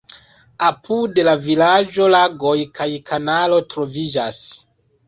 Apud la vilaĝo lagoj kaj kanalo troviĝas.